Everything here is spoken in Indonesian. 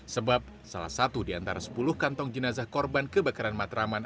sebab salah satu di antara sepuluh kantong jenazah korban kebakaran matraman